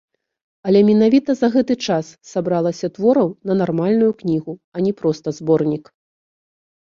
Але менавіта за гэты час сабралася твораў на нармальную кнігу, а не проста зборнік.